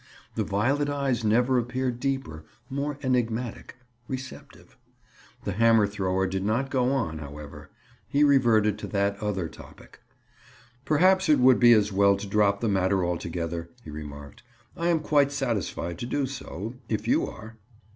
The violet eyes never appeared deeper, more enigmatic—receptive. The hammer thrower did not go on, however. He reverted to that other topic. "Perhaps it would be as well to drop the matter altogether," he remarked. "I am quite satisfied to do so, if you are."